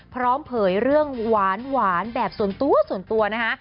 พร้อมเผยเรื่องหวานแบบส่วนตัวนะคะ